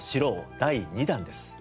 第２弾」です。